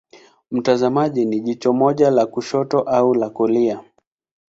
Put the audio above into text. Mtazamaji ni jicho moja la kushoto au la kulia.